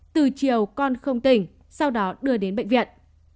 từ chiều con không tỉnh sau đó đưa đến bệnh viện